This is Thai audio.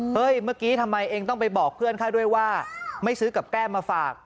เมื่อกี้ทำไมเองต้องไปบอกเพื่อนเขาด้วยว่าไม่ซื้อกับแก้มมาฝาก